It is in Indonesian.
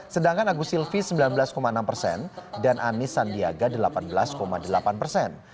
sedangkan agus silvi sembilan belas enam persen dan anis sandiaga delapan belas delapan persen